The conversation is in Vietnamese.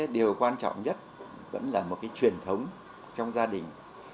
điều quan trọng nhất vẫn là một cái truyền thống trong gia đình